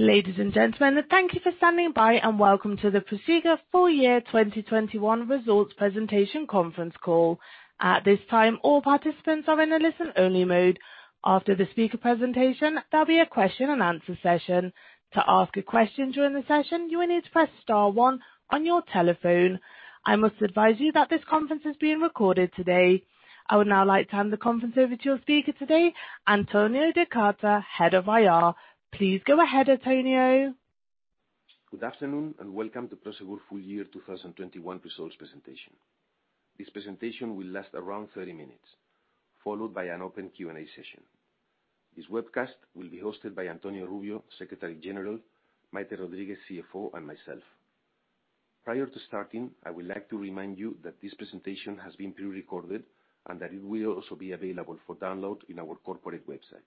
Ladies and gentlemen, thank you for standing by, and welcome to the Prosegur Full Year 2021 results presentation conference call. At this time, all participants are in a listen-only mode. After the speaker presentation, there'll be a question-and-answer session. To ask a question during the session, you will need to press star one on your telephone. I must advise you that this conference is being recorded today. I would now like to hand the conference over to your speaker today, Antonio de Cárcer, Head of IR. Please go ahead, Antonio. Good afternoon, and welcome to Prosegur full year 2021 results presentation. This presentation will last around 30 minutes, followed by an open Q&A session. This webcast will be hosted by Antonio Rubio, Secretary General, Maite Rodríguez, CFO, and myself. Prior to starting, I would like to remind you that this presentation has been pre-recorded and that it will also be available for download in our corporate website.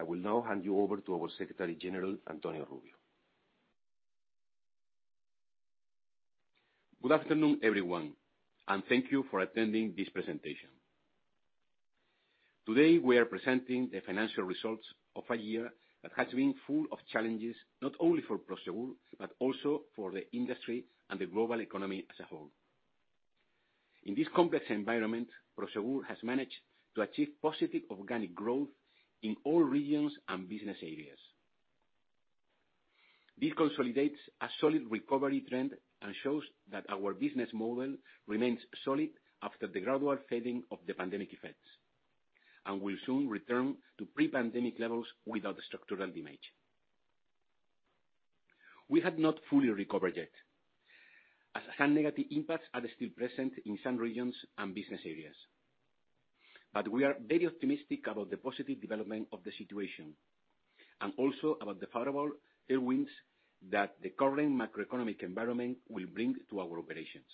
I will now hand you over to our Secretary General, Antonio Rubio. Good afternoon, everyone, and thank you for attending this presentation. Today, we are presenting the financial results of a year that has been full of challenges, not only for Prosegur, but also for the industry and the global economy as a whole. In this complex environment, Prosegur has managed to achieve positive organic growth in all regions and business areas. This consolidates a solid recovery trend and shows that our business model remains solid after the gradual fading of the pandemic effects and will soon return to pre-pandemic levels without structural damage. We have not fully recovered yet, as some negative impacts are still present in some regions and business areas. We are very optimistic about the positive development of the situation and also about the favorable headwinds that the current macroeconomic environment will bring to our operations.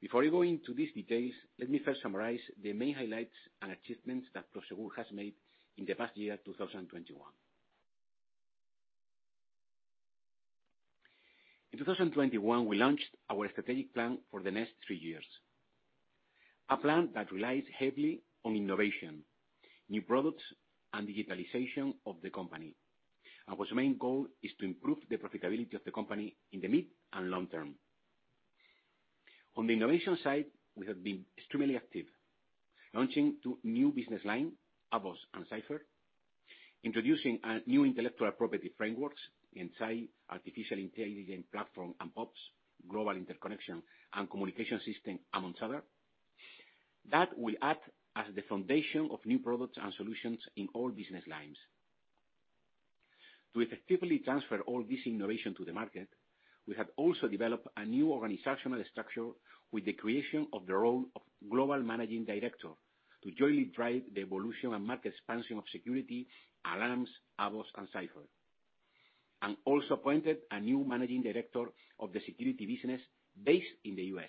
Before we go into these details, let me first summarize the main highlights and achievements that Prosegur has made in the past year, 2021. In 2021, we launched our strategic plan for the next three years. A plan that relies heavily on innovation, new products, and digitalization of the company, and whose main goal is to improve the profitability of the company in the mid and long term. On the innovation side, we have been extremely active, launching two new business lines, AVOS and Cipher, introducing a new intellectual property framework inside artificial intelligence platform and POPs, global interconnection and communication system, amongst others, that will act as the foundation of new products and solutions in all business lines. To effectively transfer all this innovation to the market, we have also developed a new organizational structure with the creation of the role of global managing director to jointly drive the evolution and market expansion of security, alarms, AVOS, and Cipher. Also appointed a new Managing Director of the security business based in the U.S.,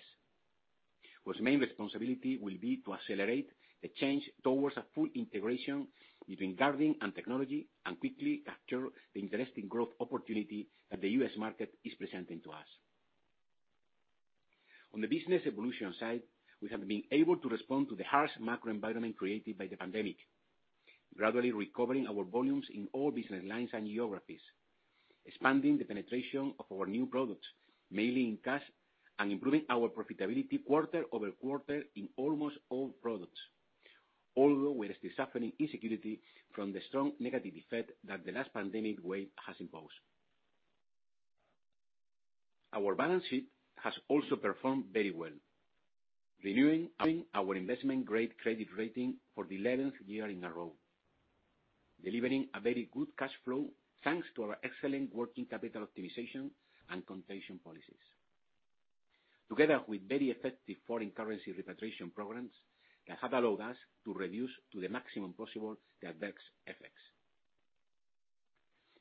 whose main responsibility will be to accelerate the change towards a full integration between guarding and technology, and quickly capture the interesting growth opportunity that the U.S. market is presenting to us. On the business evolution side, we have been able to respond to the harsh macroenvironment created by the pandemic, gradually recovering our volumes in all business lines and geographies, expanding the penetration of our new products, mainly in cash, and improving our profitability quarter-over-quarter in almost all products. Although we're still suffering uncertainty from the strong negative effect that the last pandemic wave has imposed. Our balance sheet has also performed very well, renewing our investment-grade credit rating for the eleventh year in a row, delivering a very good cash flow, thanks to our excellent working capital optimization and collection policies, together with very effective foreign currency repatriation programs that have allowed us to reduce to the maximum possible the adverse effects.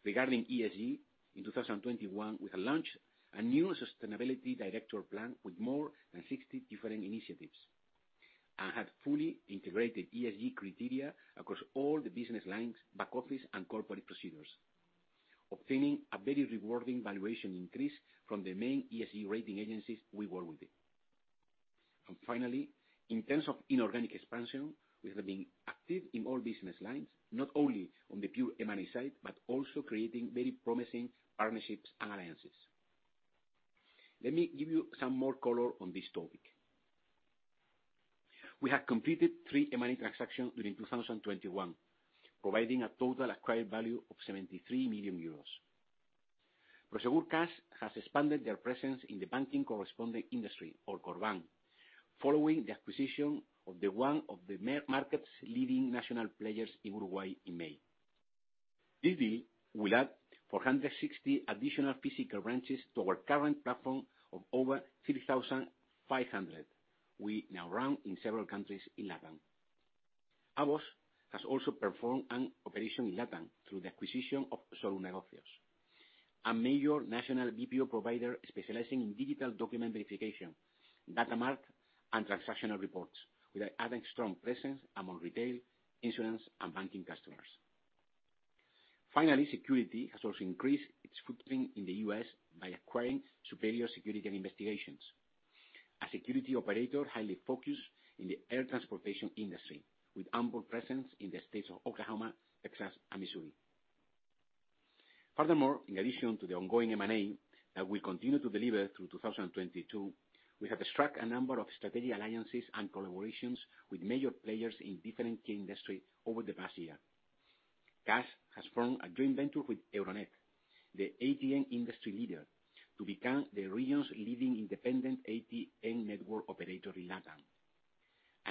Regarding ESG, in 2021, we have launched a new sustainability director plan with more than 60 different initiatives and have fully integrated ESG criteria across all the business lines, back office, and corporate procedures, obtaining a very rewarding valuation increase from the main ESG rating agencies we work with. Finally, in terms of inorganic expansion, we have been active in all business lines, not only on the pure M&A side, but also creating very promising partnerships and alliances. Let me give you some more color on this topic. We have completed three M&A transactions during 2021, providing a total acquired value of 73 million euros. Prosegur Cash has expanded their presence in the banking correspondent industry or CorBan, following the acquisition of one of the market's leading national players in Uruguay in May. This deal will add 460 additional physical branches to our current platform of over 6,500 we now run in several countries in Latin. AVOS has also performed an operation in Latin through the acquisition of Solunegocios, a major national BPO provider specializing in digital document verification, data mart, and transactional reports with an added strong presence among retail, insurance, and banking customers. Finally, Security has also increased its footprint in the U.S. by acquiring Superior Security and Investigations. A security operator highly focused in the air transportation industry, with ample presence in the states of Oklahoma, Texas, and Missouri. Furthermore, in addition to the ongoing M&A that we continue to deliver through 2022, we have struck a number of strategic alliances and collaborations with major players in different key industries over the past year. Cash has formed a joint venture with Euronet, the ATM industry leader, to become the region's leading independent ATM network operator in Latam.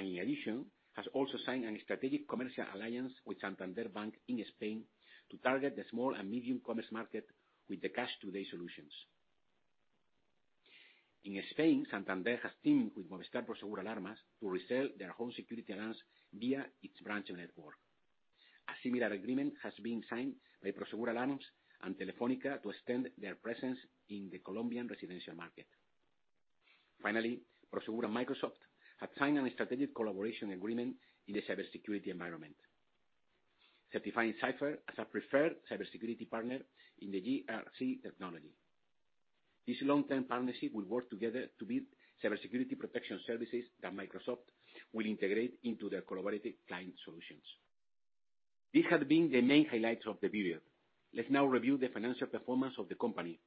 In addition, has also signed a strategic commercial alliance with Santander Bank in Spain to target the small and medium commerce market with the Cash Today solutions. In Spain, Santander has teamed with Movistar Prosegur Alarmas to resell their home security alarms via its branch network. A similar agreement has been signed by Prosegur Alarmas and Telefónica to extend their presence in the Colombian residential market. Finally, Prosegur and Microsoft have signed a strategic collaboration agreement in the cybersecurity environment, certifying Cipher as a preferred cybersecurity partner in the GRC technology. This long-term partnership will work together to build cybersecurity protection services that Microsoft will integrate into their collaborative client solutions. These have been the main highlights of the period. Let's now review the financial performance of the company.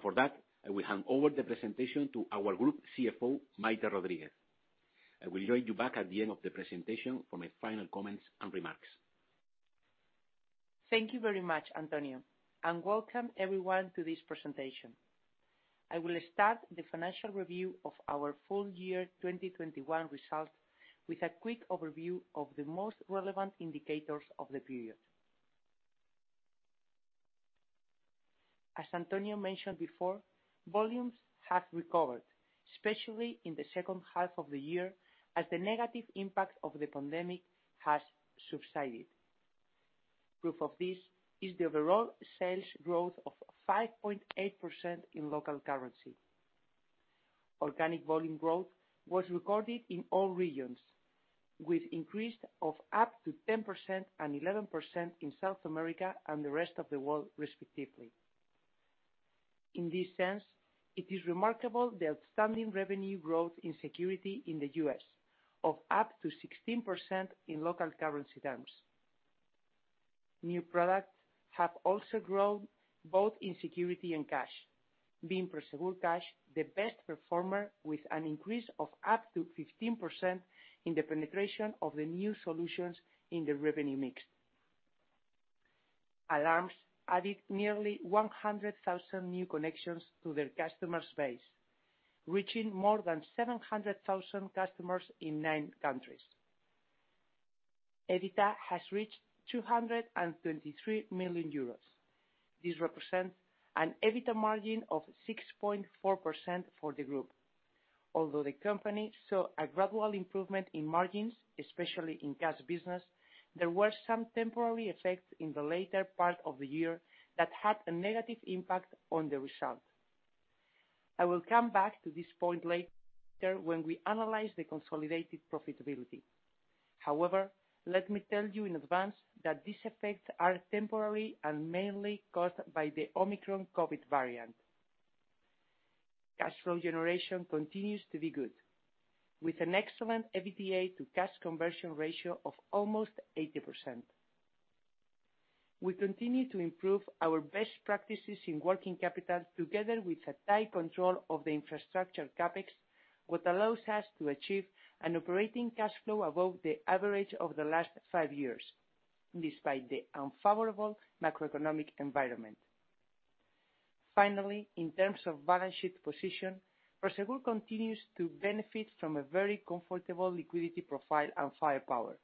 For that, I will hand over the presentation to our Group CFO, Maite Rodríguez. I will join you back at the end of the presentation for my final comments and remarks. Thank you very much, Antonio, and welcome everyone to this presentation. I will start the financial review of our full year 2021 results with a quick overview of the most relevant indicators of the period. As Antonio mentioned before, volumes have recovered, especially in the second half of the year, as the negative impact of the pandemic has subsided. Proof of this is the overall sales growth of 5.8% in local currency. Organic volume growth was recorded in all regions, with increase of up to 10% and 11% in South America and the rest of the world, respectively. In this sense, it is remarkable the outstanding revenue growth in security in the U.S. of up to 16% in local currency terms. New products have also grown both in security and cash, being Prosegur Cash the best performer with an increase of up to 15% in the penetration of the new solutions in the revenue mix. Alarms added nearly 100,000 new connections to their customer space, reaching more than 700,000 customers in nine countries. EBITDA has reached 223 million euros. This represents an EBITDA margin of 6.4% for the group. Although the company saw a gradual improvement in margins, especially in cash business, there were some temporary effects in the later part of the year that had a negative impact on the result. I will come back to this point later when we analyze the consolidated profitability. However, let me tell you in advance that these effects are temporary and mainly caused by the Omicron COVID variant. Cash flow generation continues to be good, with an excellent EBITDA to cash conversion ratio of almost 80%. We continue to improve our best practices in working capital together with a tight control of the infrastructure CapEx, what allows us to achieve an operating cash flow above the average of the last five years, despite the unfavorable macroeconomic environment. Finally, in terms of balance sheet position, Prosegur continues to benefit from a very comfortable liquidity profile and firepower,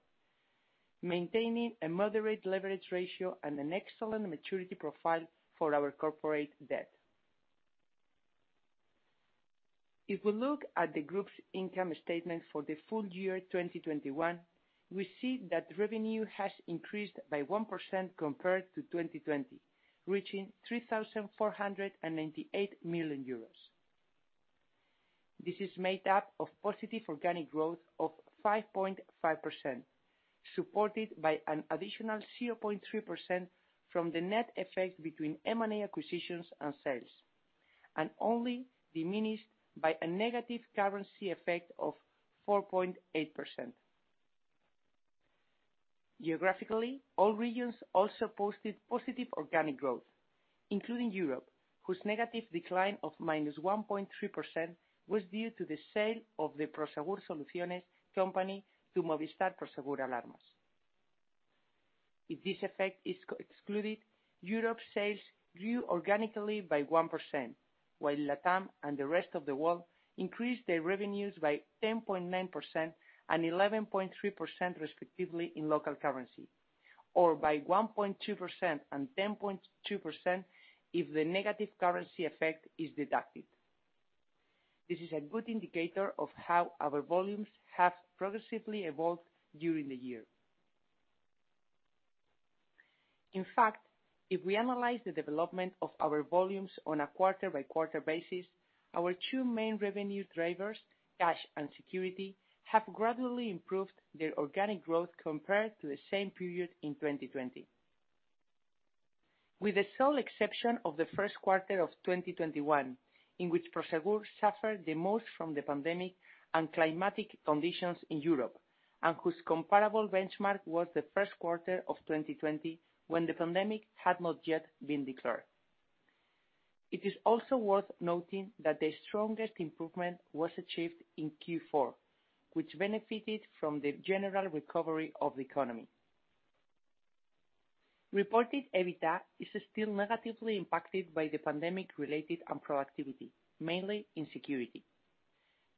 maintaining a moderate leverage ratio and an excellent maturity profile for our corporate debt. If we look at the group's income statement for the full year 2021, we see that revenue has increased by 1% compared to 2020, reaching 3,498 million euros. This is made up of positive organic growth of 5.5%, supported by an additional 0.3% from the net effect between M&A acquisitions and sales, and only diminished by a negative currency effect of 4.8%. Geographically, all regions also posted positive organic growth, including Europe, whose negative decline of -1.3% was due to the sale of the Prosegur Soluciones company to Movistar Prosegur Alarmas. If this effect is excluded, Europe's sales grew organically by 1%, while LatAm and the rest of the world increased their revenues by 10.9% and 11.3%, respectively, in local currency, or by 1.2% and 10.2% if the negative currency effect is deducted. This is a good indicator of how our volumes have progressively evolved during the year. In fact, if we analyze the development of our volumes on a quarter-by-quarter basis, our two main revenue drivers, cash and security, have gradually improved their organic growth compared to the same period in 2020. With the sole exception of the first quarter of 2021, in which Prosegur suffered the most from the pandemic and climatic conditions in Europe, and whose comparable benchmark was the first quarter of 2020, when the pandemic had not yet been declared. It is also worth noting that the strongest improvement was achieved in Q4, which benefited from the general recovery of the economy. Reported EBITDA is still negatively impacted by the pandemic-related unproductivity, mainly in security.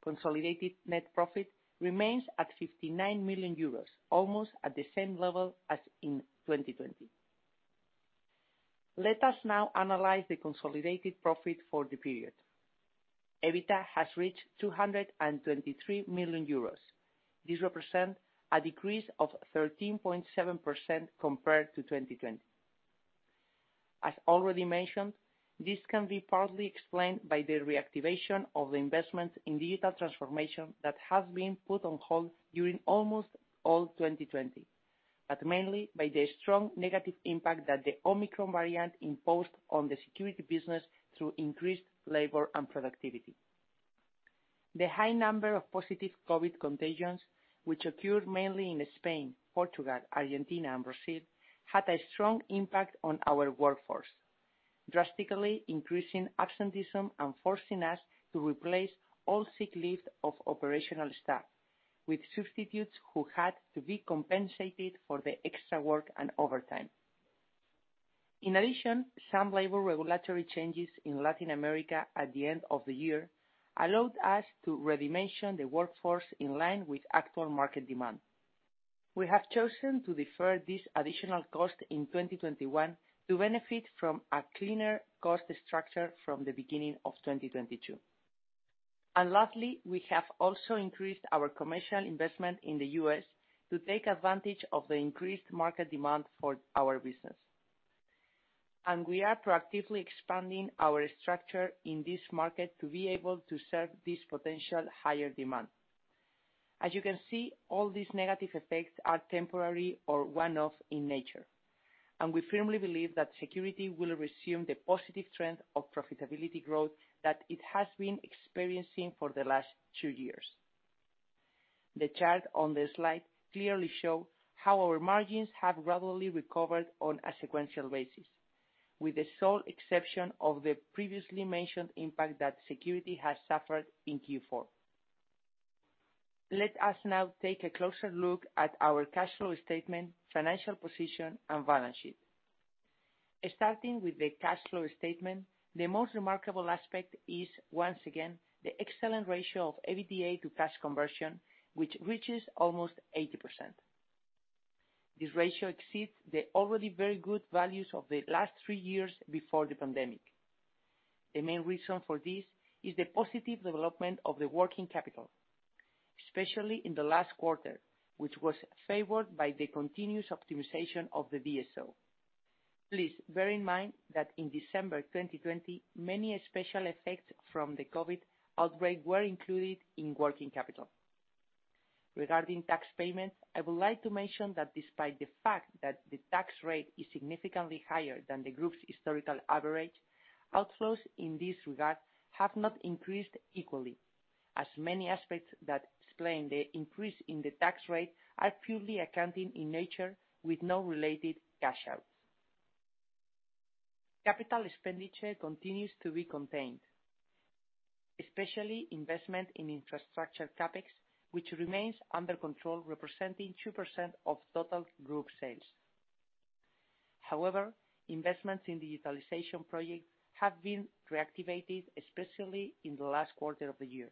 Consolidated net profit remains at 59 million euros, almost at the same level as in 2020. Let us now analyze the consolidated profit for the period. EBITDA has reached 223 million euros. This represents a decrease of 13.7% compared to 2020. As already mentioned, this can be partly explained by the reactivation of investment in digital transformation that has been put on hold during almost all 2020. Mainly by the strong negative impact that the Omicron variant imposed on the security business through increased labor unproductivity. The high number of positive COVID contagions, which occurred mainly in Spain, Portugal, Argentina, and Brazil, had a strong impact on our workforce, drastically increasing absenteeism and forcing us to replace all sick leave of operational staff with substitutes who had to be compensated for the extra work and overtime. In addition, some labor regulatory changes in Latin America at the end of the year allowed us to dimension the workforce in line with actual market demand. We have chosen to defer this additional cost in 2021 to benefit from a cleaner cost structure from the beginning of 2022. Lastly, we have also increased our commercial investment in the U.S. to take advantage of the increased market demand for our business. We are proactively expanding our structure in this market to be able to serve this potential higher demand. As you can see, all these negative effects are temporary or one-off in nature, and we firmly believe that security will resume the positive trend of profitability growth that it has been experiencing for the last two years. The chart on this slide clearly shows how our margins have gradually recovered on a sequential basis, with the sole exception of the previously mentioned impact that security has suffered in Q4. Let us now take a closer look at our cash flow statement, financial position, and balance sheet. Starting with the cash flow statement, the most remarkable aspect is, once again, the excellent ratio of EBITDA to cash conversion, which reaches almost 80%. This ratio exceeds the already very good values of the last three years before the pandemic. The main reason for this is the positive development of the working capital, especially in the last quarter, which was favored by the continuous optimization of the DSO. Please bear in mind that in December 2020, many special effects from the COVID outbreak were included in working capital. Regarding tax payments, I would like to mention that despite the fact that the tax rate is significantly higher than the group's historical average, outflows in this regard have not increased equally, as many aspects that explain the increase in the tax rate are purely accounting in nature with no related cash outs. Capital expenditure continues to be contained, especially investment in infrastructure CapEx, which remains under control, representing 2% of total group sales. However, investments in digitalization projects have been reactivated, especially in the last quarter of the year.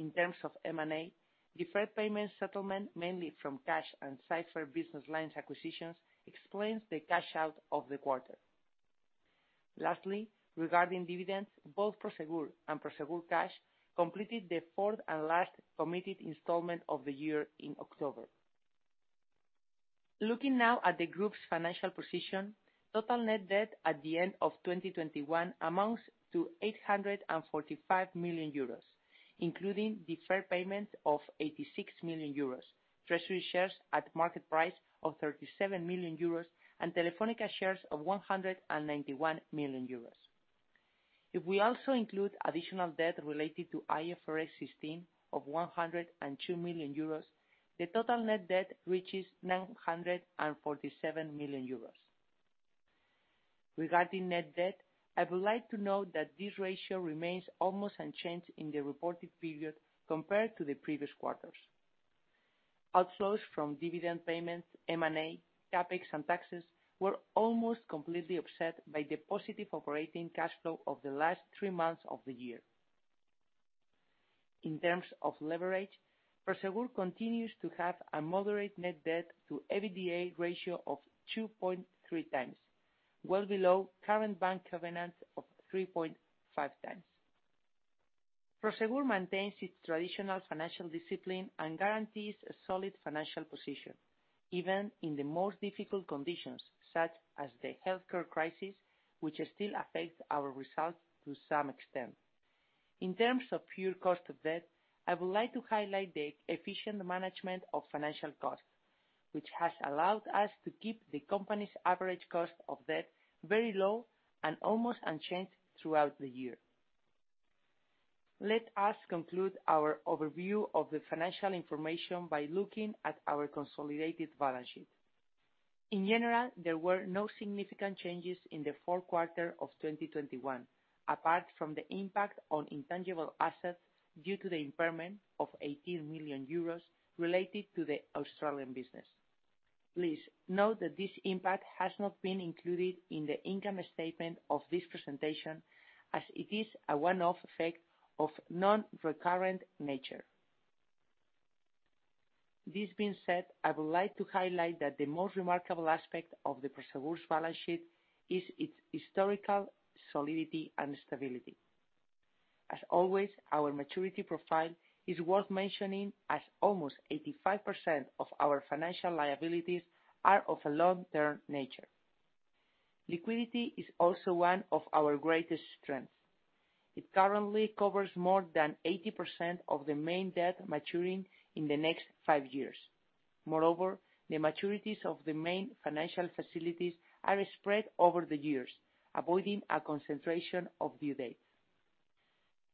In terms of M&A, deferred payment settlement, mainly from Cash and Cipher business lines acquisitions, explains the cash out of the quarter. Lastly, regarding dividends, both Prosegur and Prosegur Cash completed the fourth and last committed installment of the year in October. Looking now at the group's financial position, total net debt at the end of 2021 amounts to 845 million euros, including deferred payment of 86 million euros, treasury shares at market price of 37 million euros, and Telefónica shares of 191 million euros. If we also include additional debt related to IFRS 16 of 102 million euros, the total net debt reaches 947 million euros. Regarding net debt, I would like to note that this ratio remains almost unchanged in the reported period compared to the previous quarters. Outflows from dividend payments, M&A, CapEx, and taxes were almost completely offset by the positive operating cash flow of the last three months of the year. In terms of leverage, Prosegur continues to have a moderate net debt to EBITDA ratio of 2.3x, well below current bank covenants of 3.5x. Prosegur maintains its traditional financial discipline and guarantees a solid financial position, even in the most difficult conditions, such as the healthcare crisis, which still affects our results to some extent. In terms of pure cost of debt, I would like to highlight the efficient management of financial costs, which has allowed us to keep the company's average cost of debt very low and almost unchanged throughout the year. Let us conclude our overview of the financial information by looking at our consolidated balance sheet. In general, there were no significant changes in the fourth quarter of 2021, apart from the impact on intangible assets due to the impairment of 80 million euros related to the Australian business. Please note that this impact has not been included in the income statement of this presentation as it is a one-off effect of non-recurrent nature. This being said, I would like to highlight that the most remarkable aspect of the Prosegur's balance sheet is its historical solidity and stability. As always, our maturity profile is worth mentioning as almost 85% of our financial liabilities are of a long-term nature. Liquidity is also one of our greatest strengths. It currently covers more than 80% of the main debt maturing in the next five years. Moreover, the maturities of the main financial facilities are spread over the years, avoiding a concentration of due dates.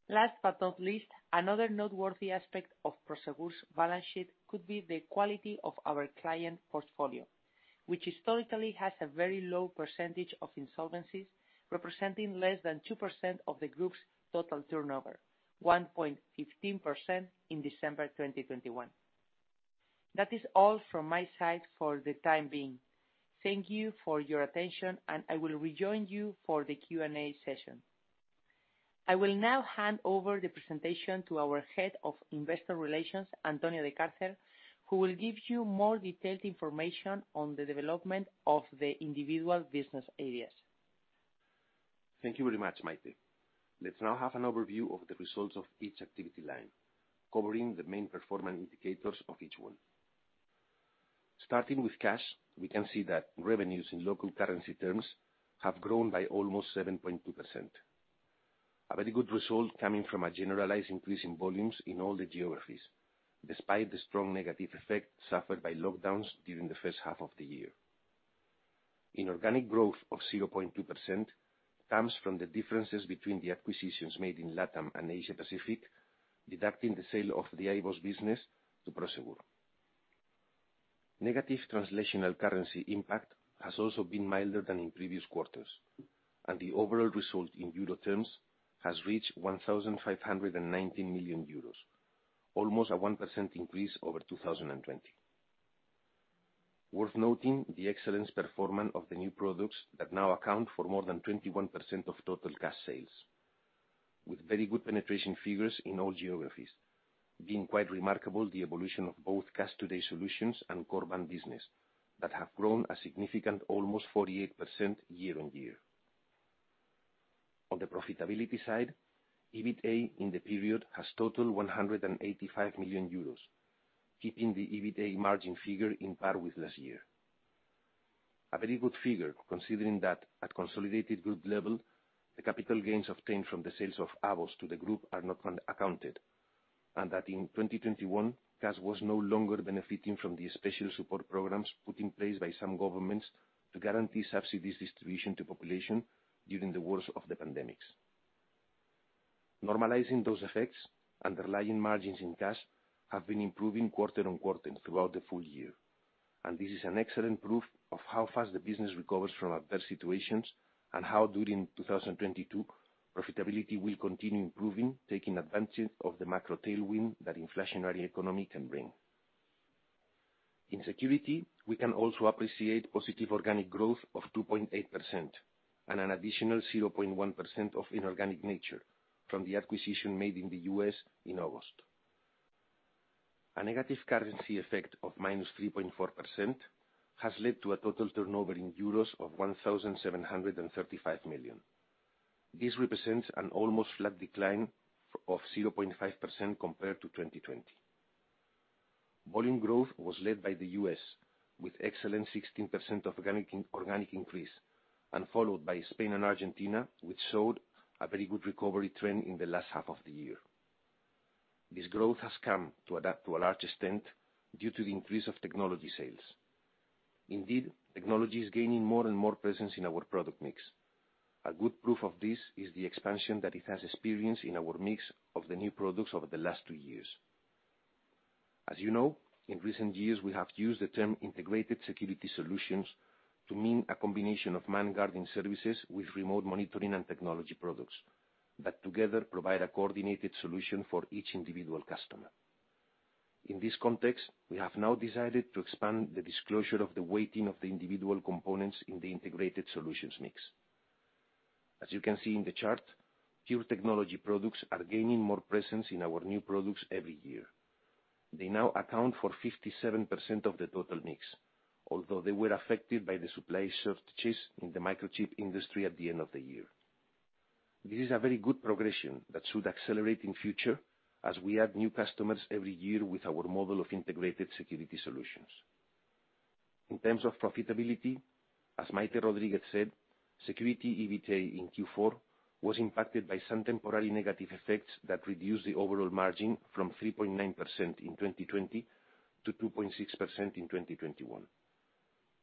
Last but not least, another noteworthy aspect of Prosegur's balance sheet could be the quality of our client portfolio, which historically has a very low percentage of insolvencies, representing less than 2% of the group's total turnover, 1.15% in December 2021. That is all from my side for the time being. Thank you for your attention, and I will rejoin you for the Q&A session. I will now hand over the presentation to our Head of Investor Relations, Antonio de Cárcer, who will give you more detailed information on the development of the individual business areas. Thank you very much, Maite. Let's now have an overview of the results of each activity line, covering the main performance indicators of each one. Starting with Cash, we can see that revenues in local currency terms have grown by almost 7.2%. A very good result coming from a generalized increase in volumes in all the geographies, despite the strong negative effect suffered by lockdowns during the first half of the year. Inorganic growth of 0.2% comes from the differences between the acquisitions made in LATAM and Asia Pacific, deducting the sale of the AVOS business to Prosegur. Negative translational currency impact has also been milder than in previous quarters, and the overall result in euro terms has reached 1,519 million euros, almost a 1% increase over 2020. Worth noting the excellent performance of the new products that now account for more than 21% of total Cash sales, with very good penetration figures in all geographies, being quite remarkable the evolution of both Cash Today solutions and CorBan business that have grown a significant almost 48% year-on-year. On the profitability side, EBITDA in the period has totaled 185 million euros, keeping the EBITDA margin figure on par with last year. A very good figure, considering that at consolidated group level, the capital gains obtained from the sales of AVOS to the group are not accounted, and that in 2021, Cash was no longer benefiting from the special support programs put in place by some governments to guarantee subsidies distribution to population during the worst of the pandemic. Normalizing those effects, underlying margins in Cash have been improving quarter-on-quarter throughout the full year. This is an excellent proof of how fast the business recovers from adverse situations and how during 2022, profitability will continue improving, taking advantage of the macro tailwind that inflationary economy can bring. In Security, we can also appreciate positive organic growth of 2.8% and an additional 0.1% of inorganic nature from the acquisition made in the U.S. in August. A negative currency effect of -3.4% has led to a total turnover in euros of 1,735 million. This represents an almost flat decline of 0.5% compared to 2020. Volume growth was led by the U.S. with excellent 16% organic increase, and followed by Spain and Argentina, which showed a very good recovery trend in the last half of the year. This growth has come about to a large extent due to the increase of technology sales. Indeed, technology is gaining more and more presence in our product mix. A good proof of this is the expansion that it has experienced in our mix of the new products over the last two years. As you know, in recent years, we have used the term Integrated Security Solutions to mean a combination of man guarding services with remote monitoring and technology products that together provide a coordinated solution for each individual customer. In this context, we have now decided to expand the disclosure of the weighting of the individual components in the Integrated Solutions mix. As you can see in the chart, pure technology products are gaining more presence in our new products every year. They now account for 57% of the total mix, although they were affected by the supply shortages in the microchip industry at the end of the year. This is a very good progression that should accelerate in future as we add new customers every year with our model of Integrated Security Solutions. In terms of profitability, as Maite Rodríguez said, Security EBITA in Q4 was impacted by some temporary negative effects that reduced the overall margin from 3.9% in 2020 to 2.6% in 2021.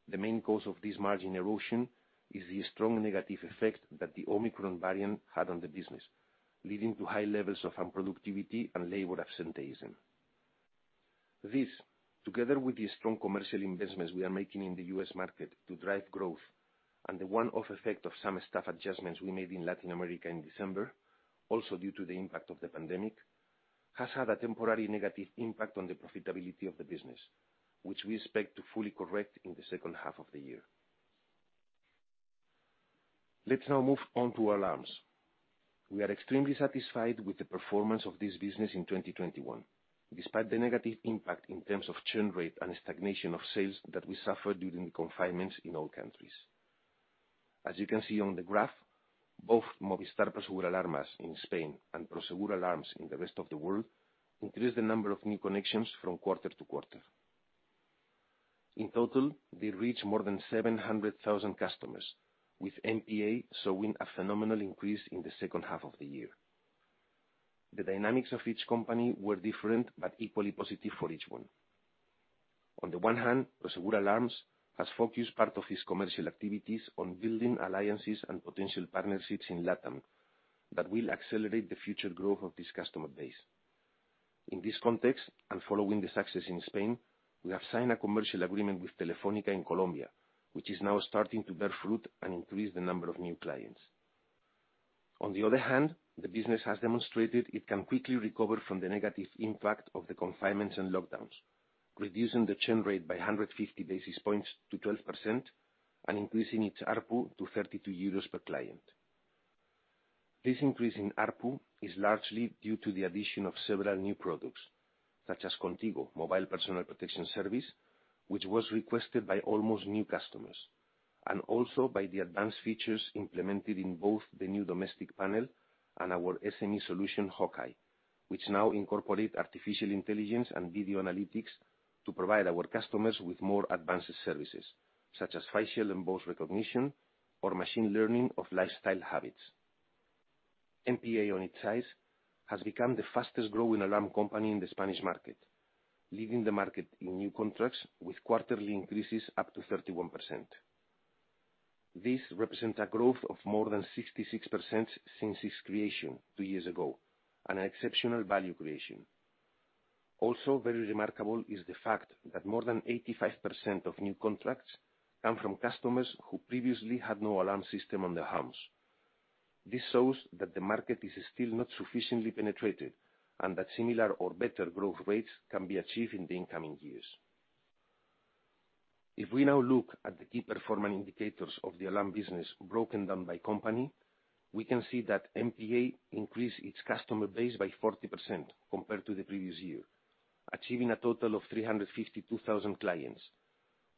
The main cause of this margin erosion is the strong negative effect that the Omicron variant had on the business, leading to high levels of unproductivity and labor absenteeism. This, together with the strong commercial investments we are making in the U.S. market to drive growth and the one-off effect of some staff adjustments we made in Latin America in December, also due to the impact of the pandemic, has had a temporary negative impact on the profitability of the business, which we expect to fully correct in the second half of the year. Let's now move on to alarms. We are extremely satisfied with the performance of this business in 2021, despite the negative impact in terms of churn rate and stagnation of sales that we suffered during the confinements in all countries. As you can see on the graph, both Movistar Prosegur Alarmas in Spain and Prosegur Alarms in the rest of the world increased the number of new connections from quarter to quarter. In total, they reached more than 700,000 customers, with MPA showing a phenomenal increase in the second half of the year. The dynamics of each company were different but equally positive for each one. On the one hand, Prosegur Alarms has focused part of its commercial activities on building alliances and potential partnerships in LATAM that will accelerate the future growth of this customer base. In this context, following the success in Spain, we have signed a commercial agreement with Telefónica in Colombia, which is now starting to bear fruit and increase the number of new clients. On the other hand, the business has demonstrated it can quickly recover from the negative impact of the confinements and lockdowns, reducing the churn rate by 150 basis points to 12% and increasing its ARPU to 32 euros per client. This increase in ARPU is largely due to the addition of several new products, such as Contigo, mobile personal protection service, which was requested by almost all new customers, and also by the advanced features implemented in both the new domestic panel and our SME solution, Hawkeye, which now incorporate artificial intelligence and video analytics to provide our customers with more advanced services, such as facial and voice recognition or machine learning of lifestyle habits. MPA, on its side, has become the fastest growing alarm company in the Spanish market, leading the market in new contracts with quarterly increases up to 31%. This represents a growth of more than 66% since its creation two years ago, and exceptional value creation. Also very remarkable is the fact that more than 85% of new contracts come from customers who previously had no alarm system on their homes. This shows that the market is still not sufficiently penetrated and that similar or better growth rates can be achieved in the incoming years. If we now look at the key performance indicators of the alarm business broken down by company, we can see that MPA increased its customer base by 40% compared to the previous year, achieving a total of 352,000 clients,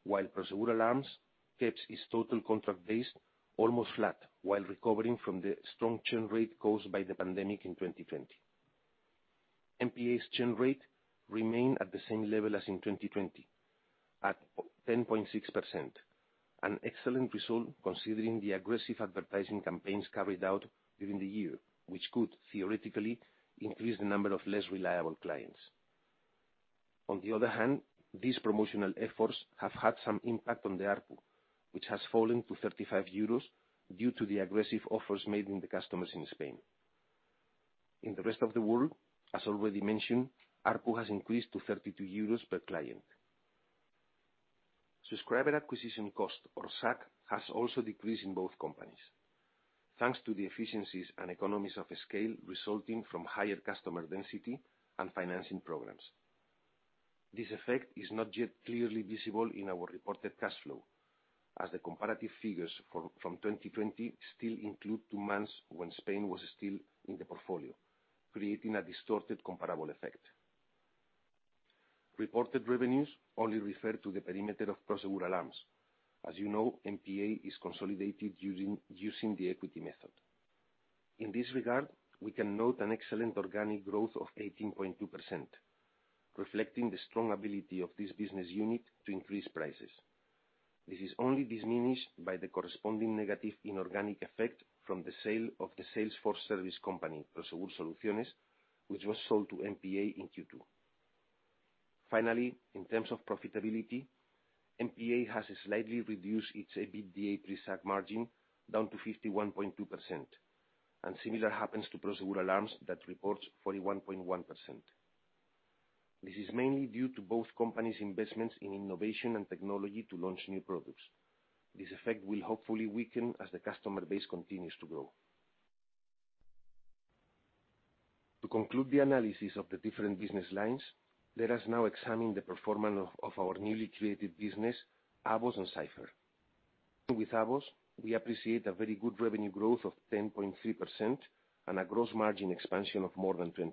while Prosegur Alarms keeps its total contract base almost flat while recovering from the strong churn rate caused by the pandemic in 2020. MPA's churn rate remained at the same level as in 2020 at 10.6%, an excellent result considering the aggressive advertising campaigns carried out during the year, which could theoretically increase the number of less reliable clients. On the other hand, these promotional efforts have had some impact on the ARPU, which has fallen to 35 euros due to the aggressive offers made to the customers in Spain. In the rest of the world, as already mentioned, ARPU has increased to 32 euros per client. Subscriber acquisition cost, or SAC, has also decreased in both companies, thanks to the efficiencies and economies of scale resulting from higher customer density and financing programs. This effect is not yet clearly visible in our reported cash flow, as the comparative figures from 2020 still include two months when Spain was still in the portfolio, creating a distorted comparable effect. Reported revenues only refer to the perimeter of Prosegur Alarms. As you know, MPA is consolidated using the equity method. In this regard, we can note an excellent organic growth of 18.2%, reflecting the strong ability of this business unit to increase prices. This is only diminished by the corresponding negative inorganic effect from the sale of the Salesforce service company, Prosegur Soluciones, which was sold to MPA in Q2. Finally, in terms of profitability, MPA has slightly reduced its EBITDA pre-SAC margin down to 51.2%, and similar happens to Prosegur Alarms that reports 41.1%. This is mainly due to both companies' investments in innovation and technology to launch new products. This effect will hopefully weaken as the customer base continues to grow. To conclude the analysis of the different business lines, let us now examine the performance of our newly created business, AVOS and Cipher. With AVOS, we appreciate a very good revenue growth of 10.3% and a gross margin expansion of more than 20%.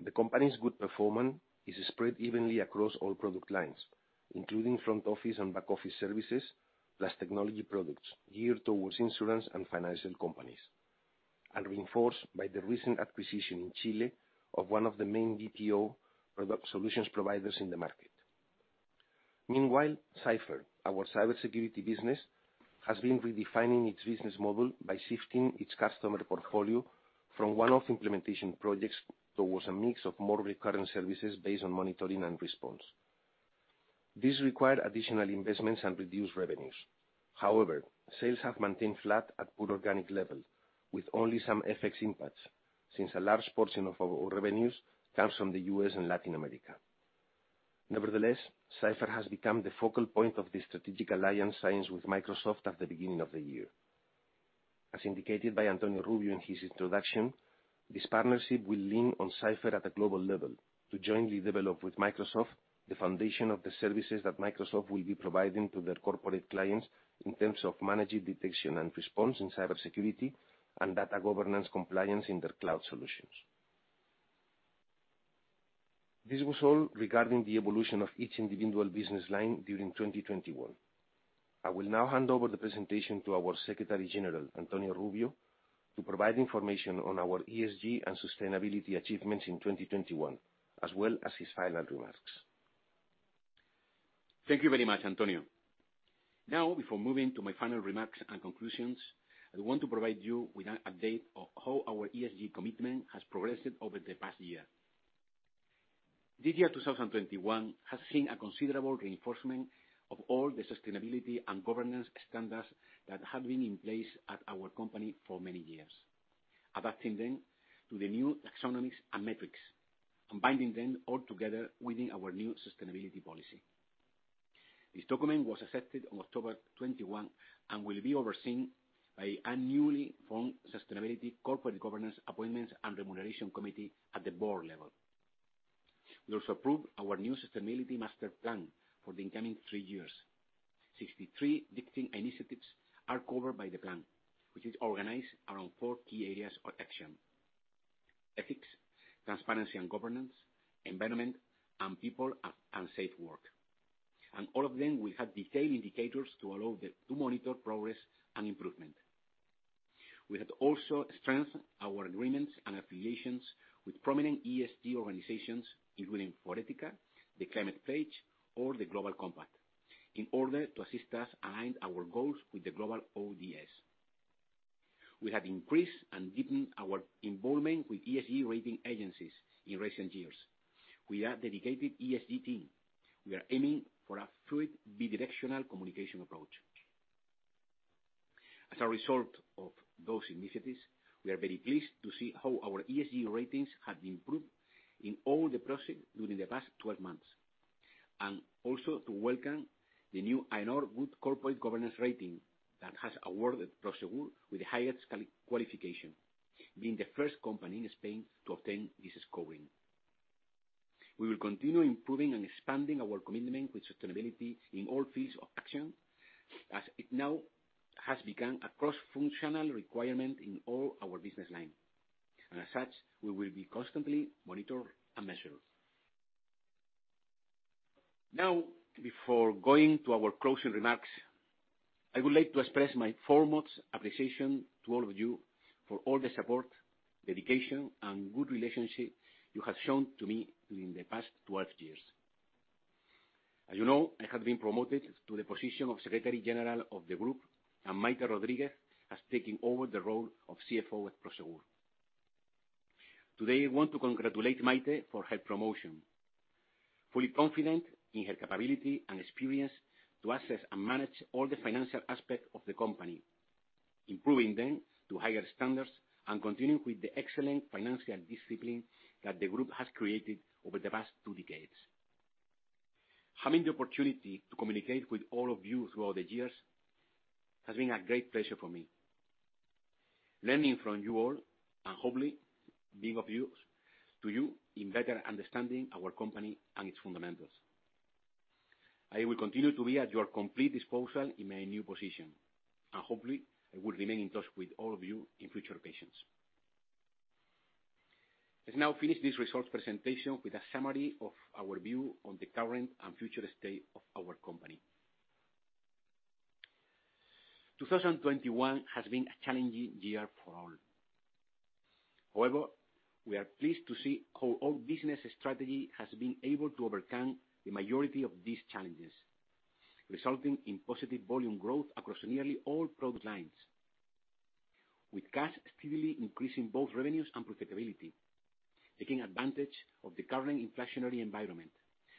The company's good performance is spread evenly across all product lines, including front office and back-office services, plus technology products geared towards insurance and financial companies, reinforced by the recent acquisition in Chile of one of the main BPO product solutions providers in the market. Meanwhile, Cipher, our cybersecurity business, has been redefining its business model by shifting its customer portfolio from one-off implementation projects towards a mix of more recurrent services based on monitoring and response. This required additional investments and reduced revenues. However, sales have maintained flat at good organic level, with only some FX impacts, since a large portion of our revenues comes from the U.S. and Latin America. Nevertheless, Cipher has become the focal point of the strategic alliance signed with Microsoft at the beginning of the year. As indicated by Antonio Rubio in his introduction, this partnership will lean on Cipher at a global level to jointly develop with Microsoft the foundation of the services that Microsoft will be providing to their corporate clients in terms of managing detection and response in cybersecurity and data governance compliance in their cloud solutions. This was all regarding the evolution of each individual business line during 2021. I will now hand over the presentation to our Secretary General, Antonio Rubio, to provide information on our ESG and sustainability achievements in 2021, as well as his final remarks. Thank you very much, Antonio. Now, before moving to my final remarks and conclusions, I want to provide you with an update of how our ESG commitment has progressed over the past year. This year, 2021, has seen a considerable reinforcement of all the sustainability and governance standards that have been in place at our company for many years, adapting them to the new taxonomies and metrics, combining them all together within our new sustainability policy. This document was accepted on October 21 and will be overseen by a newly formed Sustainability Corporate Governance Appointments and Remuneration Committee at the board level. We also approved our new Sustainability Master Plan for the incoming three years. 63 distinct initiatives are covered by the plan, which is organized around four key areas of action, ethics, transparency and governance, environment, and people and safe work. All of them will have detailed indicators to allow to monitor progress and improvement. We have also strengthened our agreements and affiliations with prominent ESG organizations, including Forética, The Climate Pledge, or the Global Compact, in order to assist us align our goals with the global ODS. We have increased and deepened our involvement with ESG rating agencies in recent years. With our dedicated ESG team, we are aiming for a fluid bidirectional communication approach. As a result of those initiatives, we are very pleased to see how our ESG ratings have improved in all the process during the past 12 months, and also to welcome the new AENOR Good Corporate Governance rating that has awarded Prosegur with the highest qualification, being the first company in Spain to obtain this scoring. We will continue improving and expanding our commitment with sustainability in all fields of action as it now has become a cross-functional requirement in all our business line. As such, we will be constantly monitored and measured. Now, before going to our closing remarks, I would like to express my foremost appreciation to all of you for all the support, dedication, and good relationship you have shown to me during the past 12 years. As you know, I have been promoted to the position of Secretary General of the group, and Maite Rodríguez has taken over the role of CFO at Prosegur. Today, I want to congratulate Maite for her promotion. Fully confident in her capability and experience to assess and manage all the financial aspects of the company, improving them to higher standards, and continuing with the excellent financial discipline that the group has created over the past two decades. Having the opportunity to communicate with all of you throughout the years has been a great pleasure for me. Learning from you all and hopefully being of use to you in better understanding our company and its fundamentals. I will continue to be at your complete disposal in my new position, and hopefully, I will remain in touch with all of you in future occasions. Let's now finish this results presentation with a summary of our view on the current and future state of our company. 2021 has been a challenging year for all. However, we are pleased to see how our business strategy has been able to overcome the majority of these challenges, resulting in positive volume growth across nearly all product lines. With Cash steadily increasing both revenues and profitability, taking advantage of the current inflationary environment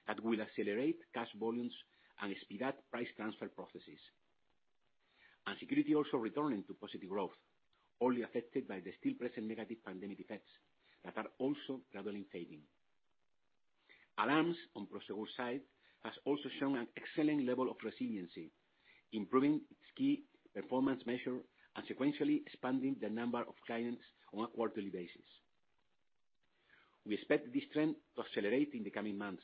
that will accelerate cash volumes and speed up price transfer processes. Security also returning to positive growth, only affected by the still present negative pandemic effects that are also gradually fading. Alarms, on Prosegur's side, has also shown an excellent level of resiliency, improving its key performance measure and sequentially expanding the number of clients on a quarterly basis. We expect this trend to accelerate in the coming months,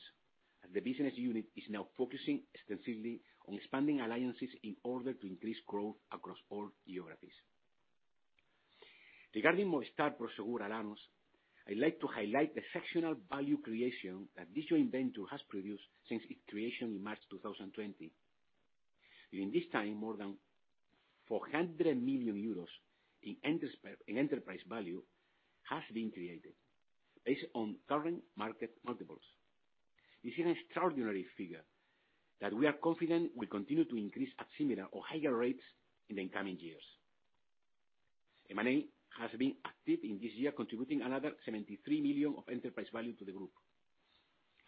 and the business unit is now focusing extensively on expanding alliances in order to increase growth across all geographies. Regarding Movistar Prosegur Alarmas, I like to highlight the exceptional value creation that this joint venture has produced since its creation in March 2020. During this time, more than 400 million euros in enterprise value has been created based on current market multiples. This is an extraordinary figure that we are confident will continue to increase at similar or higher rates in the coming years. M&A has been active in this year, contributing another 73 million of enterprise value to the group,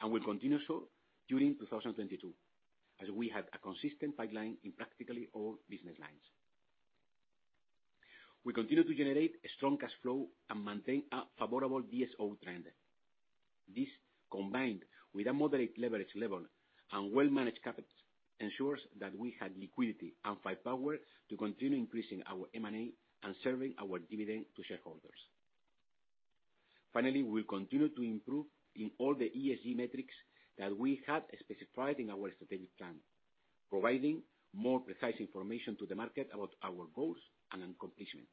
and will continue so during 2022, as we have a consistent pipeline in practically all business lines. We continue to generate a strong cash flow and maintain a favorable DSO trend. This, combined with a moderate leverage level and well-managed capital, ensures that we have liquidity and firepower to continue increasing our M&A and serving our dividend to shareholders. Finally, we'll continue to improve in all the ESG metrics that we have specified in our strategic plan, providing more precise information to the market about our goals and accomplishments,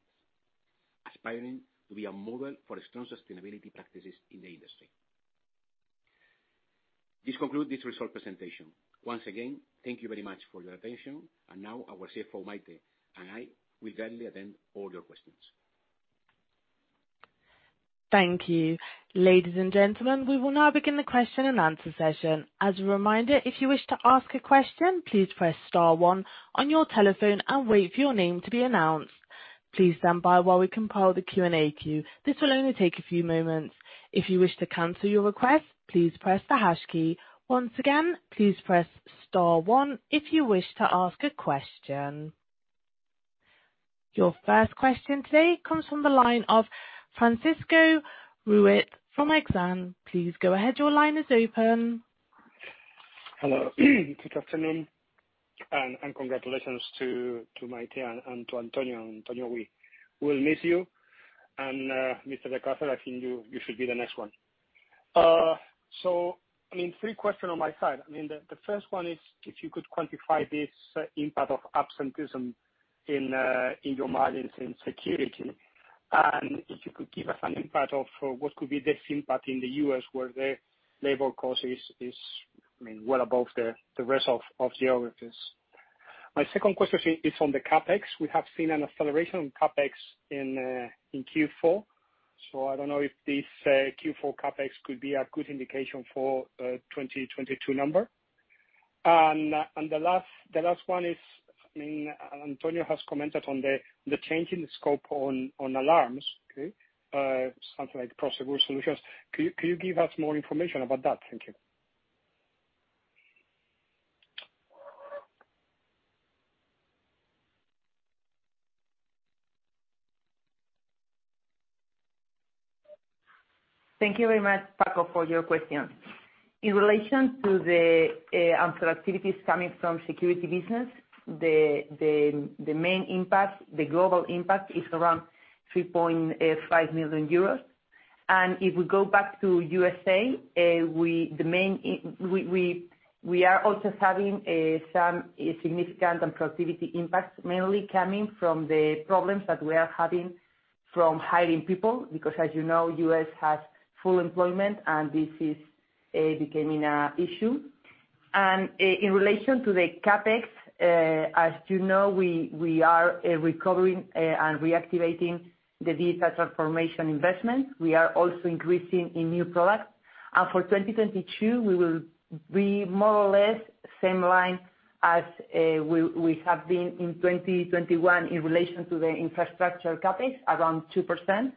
aspiring to be a model for strong sustainability practices in the industry. This concludes this result presentation. Once again, thank you very much for your attention. Now our CFO, Maite, and I will gladly attend all your questions. Thank you. Ladies and gentlemen, we will now begin the question-and-answer session. As a reminder, if you wish to ask a question, please press star one on your telephone and wait for your name to be announced. Please stand by while we compile the Q&A queue. This will only take a few moments. If you wish to cancel your request, please press the hash key. Once again, please press star one if you wish to ask a question. Your first question today comes from the line of Francisco Ruiz from Exane. Please go ahead. Your line is open. Hello. Good afternoon, and congratulations to Maite and to Antonio. Antonio, we will miss you. Mr. de Cárcer, I think you should be the next one. I mean, three questions on my side. I mean, the first one is if you could quantify this impact of absenteeism in your margins in security, and if you could give us an impact of what could be this impact in the U.S., where the labor cost is I mean, well above the rest of geographies. My second question is on the CapEx. We have seen an acceleration on CapEx in Q4, so I don't know if this Q4 CapEx could be a good indication for 2022 number. The last one is, I mean, Antonio has commented on the change in the scope on alarms, okay? Something like Prosegur Soluciones. Can you give us more information about that? Thank you. Thank you very much, Paco, for your questions. In relation to the unproductivities coming from security business, the main impact, the global impact is around 3.5 million euros. If we go back to U.S., we are also having some significant unproductivity impacts, mainly coming from the problems that we are having from hiring people, because as you know, U.S. has full employment and this is becoming an issue. In relation to the CapEx, as you know, we are recovering and reactivating the data transformation investment. We are also increasing in new products. For 2022, we will be more or less same line as we have been in 2021 in relation to the infrastructure CapEx, around 2%.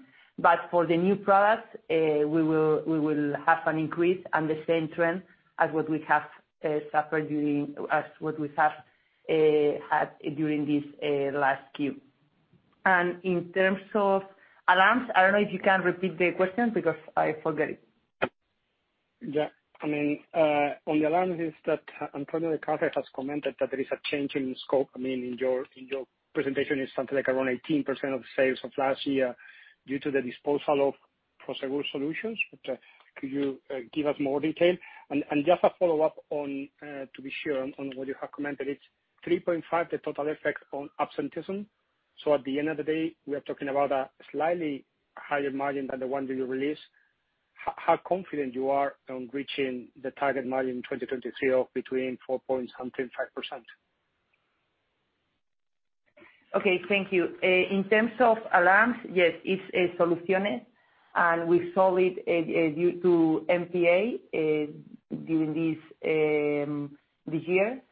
For the new products, we will have an increase and the same trend as what we have had during this last Q. In terms of alarms, I don't know if you can repeat the question, because I forget it. I mean, on the alarms is that Antonio de Cárcer has commented that there is a change in scope. I mean, in your presentation, it's something like around 18% of the sales of last year due to the disposal of Prosegur Soluciones. Could you give us more detail? Just a follow-up to be sure on what you have commented. It's 3.5 the total effect on absenteeism. At the end of the day, we are talking about a slightly higher margin than the one that you released. How confident are you on reaching the target margin in 2022 of between 4.75%? Okay. Thank you. In terms of alarms, yes, it's Soluciones, and we sold it due to MPA during this year.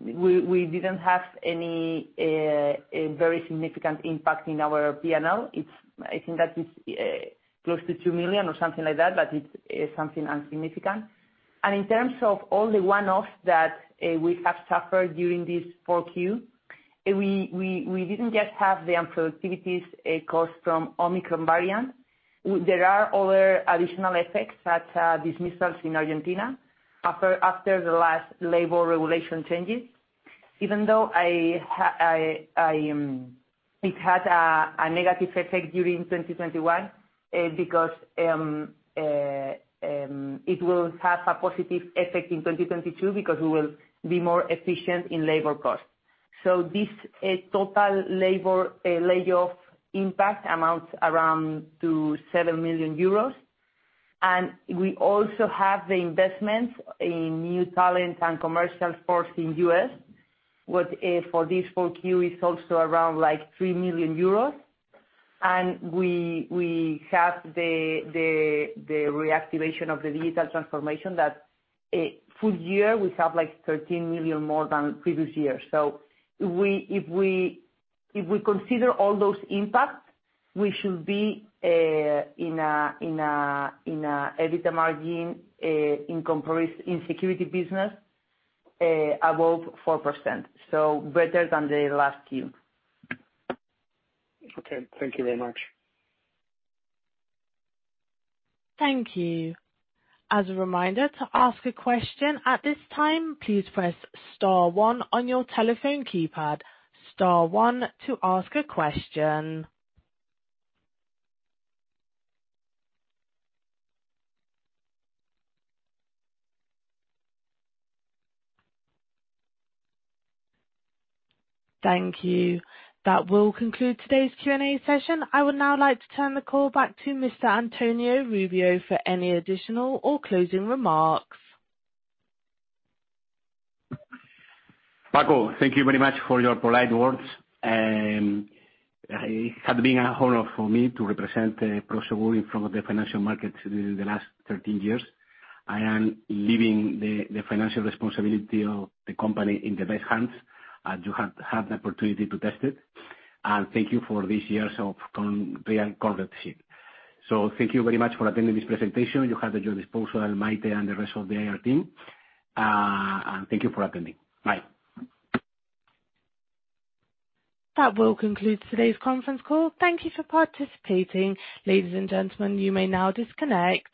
We didn't have any very significant impact in our P&L. I think that is close to 2 million or something like that, but it's something insignificant. In terms of all the one-offs that we have suffered during this Q4, we didn't just have the unproductivities caused from Omicron variant. There are other additional effects, such as dismissals in Argentina after the last labor regulation changes. Even though it had a negative effect during 2021, because it will have a positive effect in 2022 because we will be more efficient in labor costs. This total labor layoff impact amounts around to 7 million euros. We also have the investments in new talent and commercial force in U.S., with for this full Q is also around like 3 million euros. We have the reactivation of the digital transformation that full year we have like 13 million more than previous year. If we consider all those impacts, we should be in an EBITDA margin in comparison in security business above 4%, so better than the last year. Okay. Thank you very much. Thank you. As a reminder, to ask a question at this time, please press star one on your telephone keypad. Star one to ask a question. Thank you. That will conclude today's Q&A session. I would now like to turn the call back to Mr. Antonio Rubio for any additional or closing remarks. Paco, thank you very much for your polite words. It had been an honor for me to represent Prosegur in front of the financial markets during the last 13 years. I am leaving the financial responsibility of the company in the best hands, and you have had an opportunity to test it. Thank you for these years of great comradeship. Thank you very much for attending this presentation. You have at your disposal Maite and the rest of the IR team. Thank you for attending. Bye That will conclude today's conference call. Thank you for participating. Ladies and gentlemen, you may now disconnect.